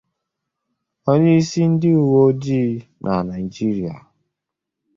onye isi ndị uwe ojii na Naịjirịa